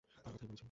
তার কথাই বলেছি।